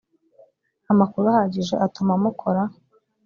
amakuru ahagije atuma mukora